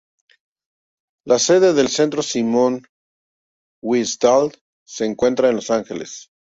La sede del Centro Simon Wiesenthal se encuentra en Los Ángeles.